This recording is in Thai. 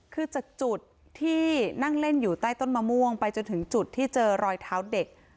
คือจากจุดที่นั่งเล่นอยู่ใต้ต้นมะม่วงไปจนถึงจุดที่เจอรอยเท้าเด็ก